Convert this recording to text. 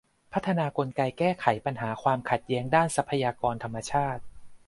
พัฒนากลไกแก้ไขปัญหาความขัดแย้งด้านทรัพยากรธรรมชาติ